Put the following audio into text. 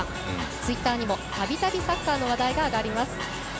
ツイッターにも、たびたびサッカーの話題が上がります。